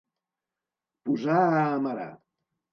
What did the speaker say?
Posar a amarar.